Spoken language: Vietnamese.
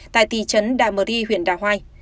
tại thị trấn đạ mờ ri huyện đạ hoai